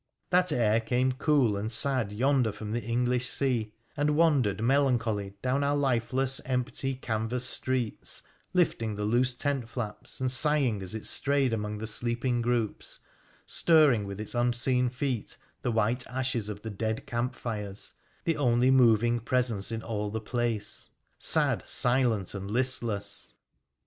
That air came cool and sad yonder from the English sea, and wandered melancholy down our lifeless, empty canvas streets, lifting the loose tent flaps, and sighing as it strayed among the sleeping groups, stirring with its unseen feet the white ashes of the dead camp fires, the only moving presence in all the place — sad, silent, and listless.